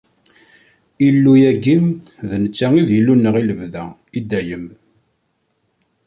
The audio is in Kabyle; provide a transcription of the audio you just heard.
Illu-agi, d netta i d Illu-nneɣ i lebda, i dayem.